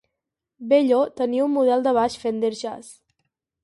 Bello tenia un model de baix Fender Jazz.